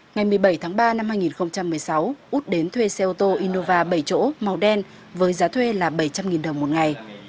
ngày một mươi bảy tháng ba năm hai nghìn một mươi sáu út đến thuê xe ô tô innova bảy chỗ màu đen với giá thuê là bảy trăm linh đồng một ngày